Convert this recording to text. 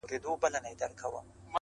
و قاضي صاحب ته ور کړې زر دیناره.